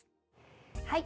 はい。